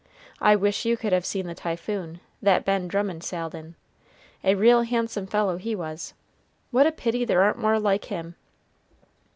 I wish you could have seen the Typhoon, that Ben Drummond sailed in a real handsome fellow he was. What a pity there aren't more like him!"